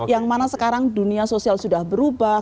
yang mana sekarang dunia sosial sudah berubah